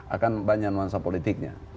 akan banyak nuansa politiknya